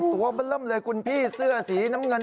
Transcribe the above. ตัวบึลมเลยคุณพี่เสื้อสีน้ำเงิน